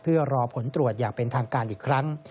เพื่อรอผลตรวจอย่างเป็นทางการอีกครั้ง